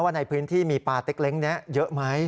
ในพื้นที่มีปลาเต็กเล้งนี้เยอะไหม